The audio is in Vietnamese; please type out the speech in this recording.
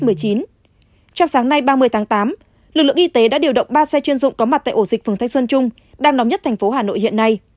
trong sáng nay ba mươi tháng tám lực lượng y tế đã điều động ba xe chuyên dụng có mặt tại ổ dịch phường thanh xuân trung đang nóng nhất thành phố hà nội hiện nay